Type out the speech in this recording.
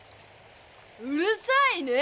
うるさいね。